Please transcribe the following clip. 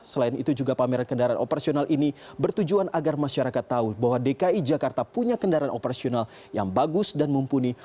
selain itu juga pameran kendaraan operasional ini bertujuan agar masyarakat tahu bahwa dki jakarta punya kendaraan operasional yang bagus dan mumpuni